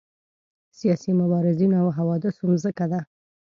سیاسي مبارزینو او حوادثو مځکه ده.